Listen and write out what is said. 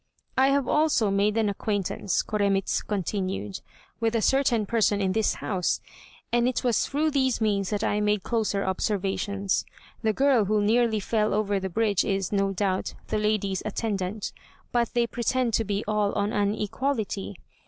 "I have also made an acquaintance," Koremitz continued, "with a certain person in this house, and it was through these means that I made closer observations. The girl who nearly fell over the bridge is, no doubt, the lady's attendant, but they pretend to be all on an equality.